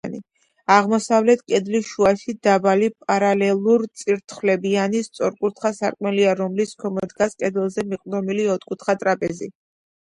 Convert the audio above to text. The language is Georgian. აღმოსავლეთ კედლის შუაში დაბალი, პარალელურწირთხლებიანი, სწორკუთხა სარკმელია, რომლის ქვემოთ დგას კედელზე მიყრდნობილი, ოთხკუთხა ტრაპეზი.